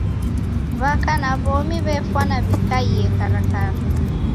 W'aka na w'omi w'efwana w'ikaie karakara.